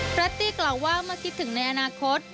พลัทตี้กล่าวว่ามาคิดถึงในอนาคต